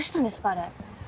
あれ。